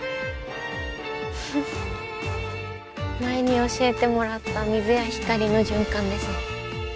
前に教えてもらった水や光の循環ですね。